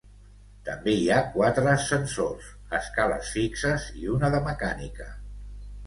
També hi ha quatre ascensors, escales fixes i una de mecànica.